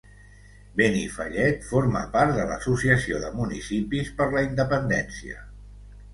Benifallet Forma part de l'Associació de Municipis per la Independència.